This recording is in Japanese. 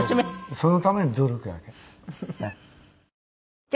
そのための努力だけで。